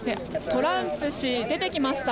トランプ氏、出てきました。